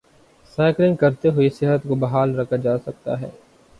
cycling کرتے ہوئے صحت کو بحال رکھا جا سکتا ہے